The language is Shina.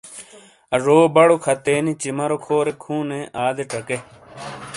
اجو بڑو کھَتنینی چِمرو کھورییک ہُوں نے، آدے چکے۔